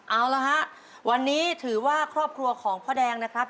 เอาละฮะวันนี้ถือว่าครอบครัวของพ่อแดงนะครับ